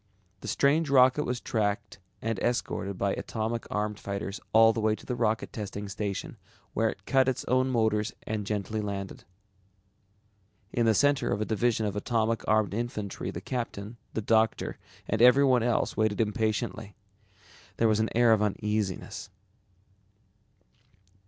The strange rocket was tracked and escorted by atomic armed fighters all the way to the Rocket Testing Station where it cut its own motors and gently landed. In the center of a division of atomic armed infantry the captain, the doctor, and everyone else, waited impatiently. There was an air of uneasiness.